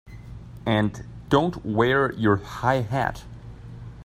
And don't wear your high hat!